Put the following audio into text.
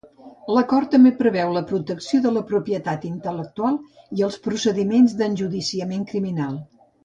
L'Acord també preveu la protecció de la propietat intel·lectual i els procediments d'enjudiciament criminal.